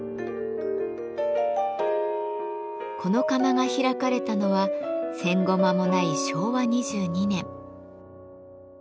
この窯が開かれたのは戦後まもない昭和２２年。